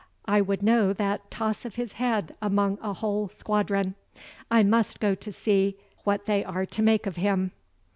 I would know that toss of his head among a whole squadron. I must go to see what they are to make of him."